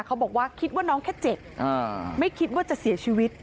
เขาบอกว่าคิดว่าน้องแค่เจ็บไม่คิดว่าจะเสียชีวิต